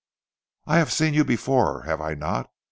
"I have seen you before, have I not?